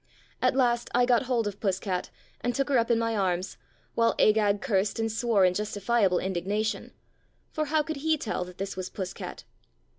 At last I got hold of Puss cat and took her up in my arms, while Agag cursed and swore in justi 244 "Puss cat" fiable indignation. For how could he tell that this was Puss cat